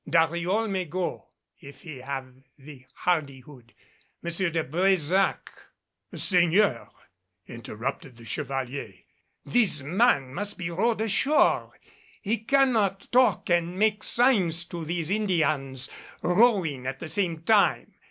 "Dariol may go, if he have the hardihood. M. de Brésac " "Seigneur," interrupted the Chevalier, "this man must be rowed ashore. He cannot talk and make signs to these Indians, rowing at the same time.